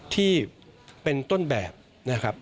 ที่เป็นต้นแบบนะครับ